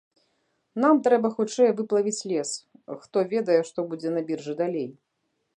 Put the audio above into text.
Нам трэба хутчэй выплавіць лес, хто ведае, што будзе на біржы далей.